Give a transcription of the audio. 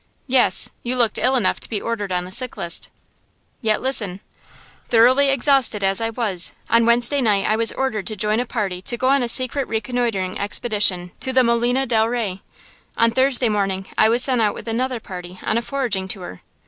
"Yes, you looked ill enough to be ordered on the sick list." "Yet, listen. Thoroughly exhausted as I was, on Wednesday night I was ordered to join a party to go on a secret reconnoitering expedition to the Molina del Rey. On Thursday morning I was sent out with another party on a foraging tour.